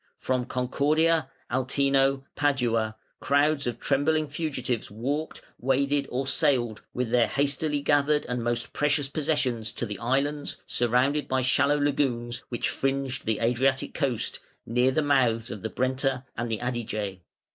From Concordia, Altino, Padua, crowds of trembling fugitives walked, waded, or sailed with their hastily gathered and most precious possessions to the islands, surrounded by shallow lagoons, which fringed the Adriatic coast, near the mouths of the Brenta and Adige.